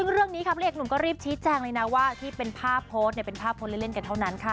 เรื่องนี้คำเลขนุ่มก็รีบชี้แจ้งเลยนะว่าที่เป็นภาพโพสต์เป็นภาพโพสต์เล่นเท่านั้นค่ะ